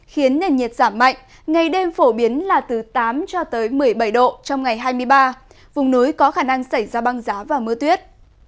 khiến nền nhiệt giảm mạnh ngày đêm phổ biến là từ tám cho tới một mươi bảy độ trong ngày hai mươi ba vùng núi có khả năng xảy ra băng giá và mưa tuyết